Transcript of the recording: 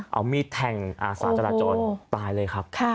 เอามีดแทงอาสาจราจรตายเลยครับ